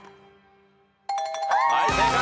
はい正解。